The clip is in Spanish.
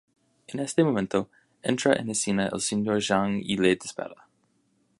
En este momento entra en escena el Sr. Jang y le dispara.